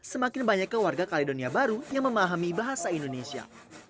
semakin banyak keluarga kaledonia baru yang memahami bahasa indonesia